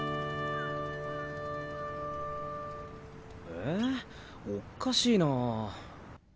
えっおっかしいなあ。